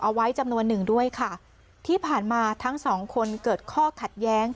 เอาไว้จำนวนหนึ่งด้วยค่ะที่ผ่านมาทั้งสองคนเกิดข้อขัดแย้ง